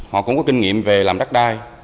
họ cũng có kinh nghiệm về làm đắt đai